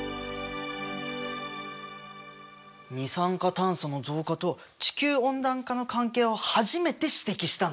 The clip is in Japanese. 二酸化炭素の増加と地球温暖化の関係を初めて指摘したんだね。